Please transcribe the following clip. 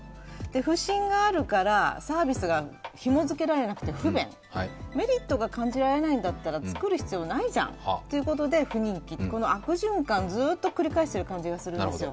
不信があるから、サービスがひもづけられなくて不便、メリットが感じられないんだったら作る必要ないじゃんということで不人気、この悪循環ずっと繰り返している感じがするんですよ。